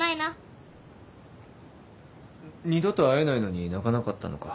二度と会えないのに泣かなかったのか？